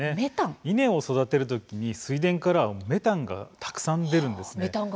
稲を育てる時に水田からはメタンがたくさん出るんです。